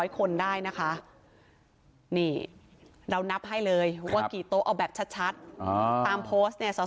คนได้นะคะนี่เรานับให้เลยว่ากี่โต๊ะเอาแบบชัดตามโพสต์เนี่ย